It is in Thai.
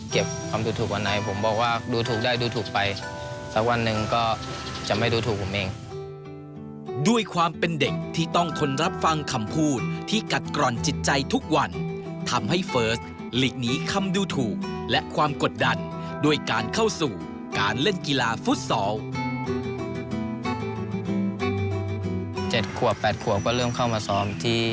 ขอบคุณทุกคนที่คอยสั่งด้านผมขอบคุณทุกคนที่คอยสั่งด้านผมขอบคุณทุกคนที่คอยสั่งด้านผมขอบคุณทุกคนที่คอยสั่งด้านผมขอบคุณทุกคนที่คอยสั่งด้านผมขอบคุณทุกคนที่คอยสั่งด้านผมขอบคุณทุกคนที่คอยสั่งด้านผมขอบคุณทุกคนที่คอยสั่งด้านผมขอบคุณทุกคนที่คอยสั่งด้านผมขอบคุณทุกคนที่คอยสั่งด้านผมข